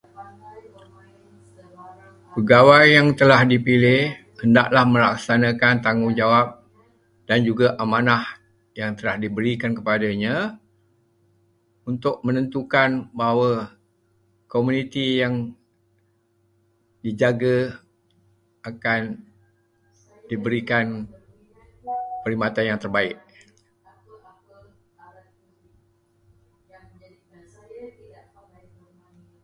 Pegawai yang telah dipilih hendaklah melaksanakan tanggungjawab dan juga amanah yang telah diberikan kepadanya untuk menentukan bahawa komuniti yang dijaga akan diberikan perkhidmatan yang terbaik.